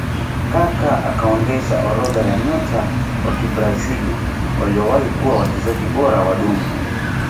Kaka akaongeza orodha ya nyota wa kibrazil waliowahi kuwa wachezaji bora wa duni